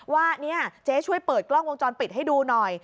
ว่าเนี่ยเจ๊ช่วยเปิดกล้องวงจรปิดให้ดูหน่อย